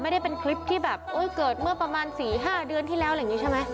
ไม่ได้เป็นคลิปที่แบบเกิดเมื่อประมาณ๔๕เดือนที่แล้วอะไรอย่างนี้ใช่ไหม